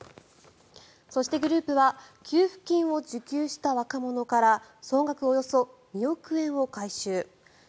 そして、グループは給付金を受給した若者から総額およそ２億円を回収。